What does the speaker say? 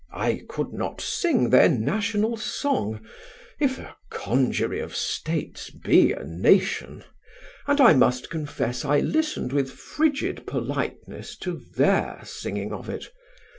I could not sing their national song if a congery of states be a nation and I must confess I listened with frigid politeness to their singing of it.